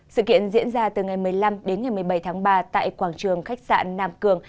sự kiện diễn ra từ ngày một mươi năm đến ngày một mươi bảy tháng ba tại quảng trường khách sạn nam cường